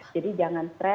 jadi jangan stres ya